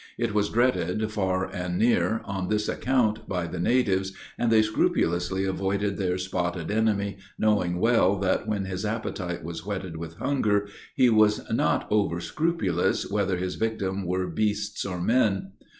It was dreaded, far and near, on this account, by the natives, and they scrupulously avoided their spotted enemy, knowing well that when his appetite was whetted with hunger, he was not over scrupulous whether his victims were beasts or men.